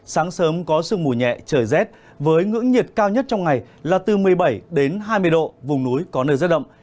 sáng sớm có sương mù nhẹ trời rét với ngưỡng nhiệt cao nhất trong ngày là từ một mươi bảy đến hai mươi độ vùng núi có nơi rét đậm